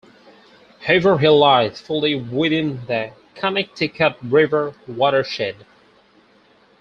Haverhill lies fully within the Connecticut River watershed.